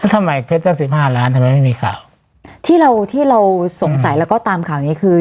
ทำไมเพชรก็สิบห้าล้านทำไมไม่มีข่าวที่เราที่เราสงสัยแล้วก็ตามข่าวนี้คือ